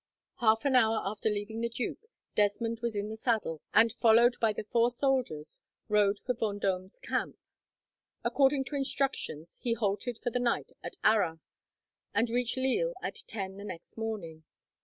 Half an hour after leaving the duke, Desmond was in the saddle, and, followed by the four soldiers, rode for Vendome's camp. According to instructions he halted for the night at Arras, and reached Lille at ten the next morning.